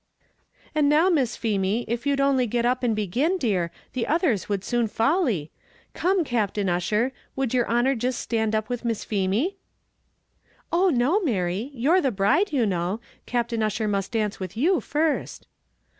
"And now, Miss Feemy, if you'd only get up and begin, dear, the others would soon folly; come, Captain Ussher would yer honer jist stand up with Miss Feemy?" "Oh, no, Mary, you're the bride you know; Captain Ussher must dance with you first."